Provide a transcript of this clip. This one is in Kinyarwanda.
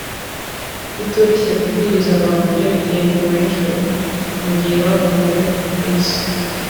bitoroshye kubwiriza abantu ibyerekeye ingoma y’ijuru mugihe babohewe ku isi